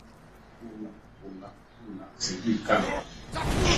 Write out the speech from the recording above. kuna kuna kuna sijui kama